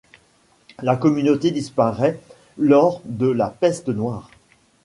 La communauté disparait lors de la Peste noire.